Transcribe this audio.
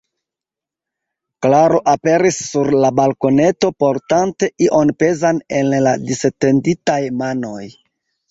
Klaro aperis sur la balkoneto, portante ion pezan en la disetenditaj manoj.